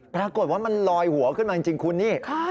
ปรากฏว่ามันลอยหัวขึ้นมาจริงคุณนี่